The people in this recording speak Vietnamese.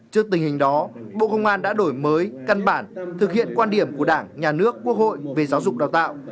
trước tình hình đó bộ công an đã đổi mới căn bản thực hiện quan điểm của đảng nhà nước quốc hội về giáo dục đào tạo